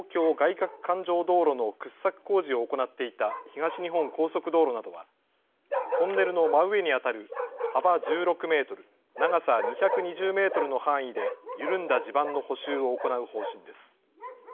かく環状道路の掘削工事を行っていた東日本高速道路などはトンネルの真上にあたる幅１６メートル、長さ２２０メートルの範囲で緩んだ地盤の補修を行う方針です。